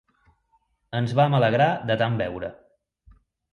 Ens vam alegrar de tant beure.